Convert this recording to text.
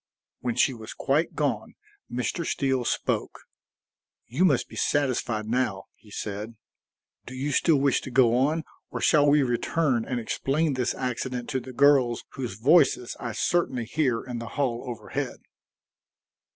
When she was quite gone, Mr. Steele spoke: "You must be satisfied now," he said. "Do you still wish to go on, or shall we return and explain this accident to the girls whose voices I certainly hear in the hall overhead?"